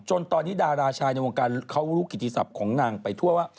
ตอนนี้ดาราชายในวงการเขารู้กิติศัพท์ของนางไปทั่วว่า